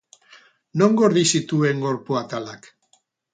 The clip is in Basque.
Non gorde zituen gorpu atalak?